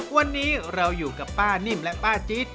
วันนี้เราอยู่กับป้านิ่มและป้าจี๊ด